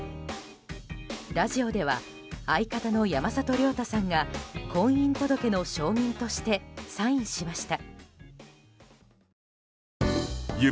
ラジオでは相方の山里亮太さんが婚姻届の証人としてサインしました。